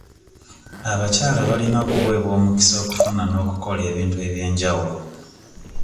Abakyala balina okuweebwa omukisa okufuna n'okukola ebintu ebyenjawulo